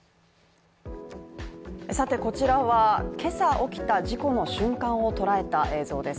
さてこちらは今朝起きた事故の瞬間を捉えた映像です